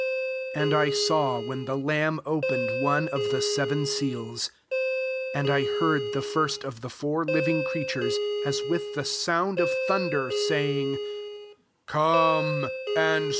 1 And I saw when the lamb opened one of the se ven seals ; and I heard the first of the four living creatures, as with the sound of thunder, saying, <* Come [and see]."